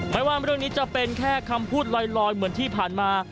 ไม่ว่าเรื่องนี้จะเป็นแค่คำพูดลอยเหมือนที่ผ่านมา